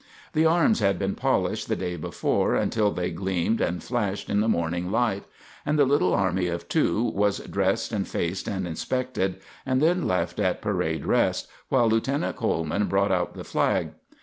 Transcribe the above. The arms had been polished the day before until they gleamed and flashed in the morning light, and the little army of two was dressed and faced and inspected, and then left at parade rest while Lieutenant Coleman brought out the flag.